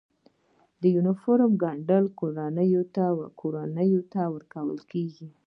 د یونیفورم ګنډل کورنیو ته ورکول کیږي؟